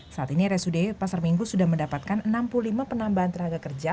saat ini rsud pasar minggu sudah mendapatkan enam puluh lima penambahan tenaga kerja